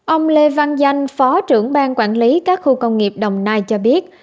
ông lê văn danh phó trưởng ban quản lý các khu công nghiệp đồng nai cho biết